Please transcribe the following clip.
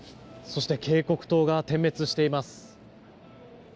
そして警告灯が点滅しています。